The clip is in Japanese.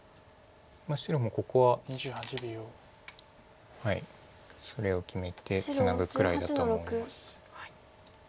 白もここははいそれを決めてツナぐくらいだと思います。